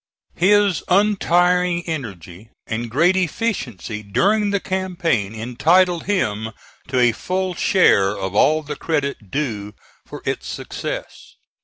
His untiring energy and great efficiency during the campaign entitle him to a full share of all the credit due for its success.